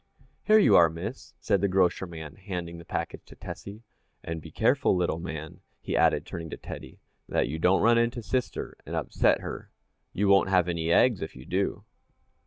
"Here you are, Miss," said the grocer man, handing the package to Tessie, "and be careful, little man," he added, turning to Teddy, "that you don't run into sister and upset her you won't have any eggs if you do!"